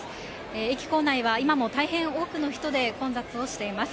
駅構内は今も大変多くの人で混雑をしています。